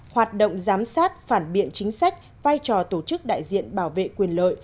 hoạt động giám sát phản biện chính sách vai trò tổ chức đại diện bảo vệ quyền lợi